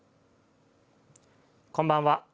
こんばんは。